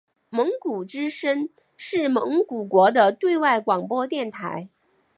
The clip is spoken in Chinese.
蒙古之声是蒙古国的对外广播电台。